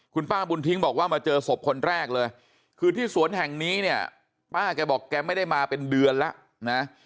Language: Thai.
คุณป้าบุญทิ้งบอกว่ามาเจอศพคนแรกเลยคือที่สวนแห่งนี้เนี่ยป้าแกบอกแกไม่ได้มาเป็นเดือนแล้วนะ